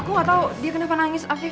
aku ga tau dia kenapa nangis afif